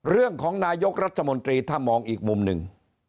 เรื่องของนายกรัฐมนตรีถ้ามองอีกมุมหนึ่ง